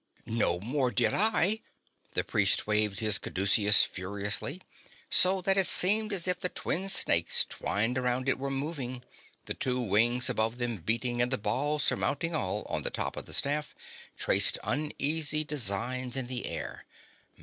"No more did I!" The priest waved his caduceus furiously, so that it seemed as if the twin snakes twined round it were moving, the two wings above them beating, and the ball surmounting all, on top of the staff, traced uneasy designs in the air.